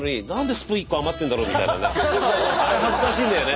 あれ恥ずかしいんだよね。